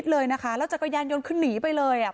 เลยนะคะแล้วจักรยานยนต์คือหนีไปเลยอ่ะ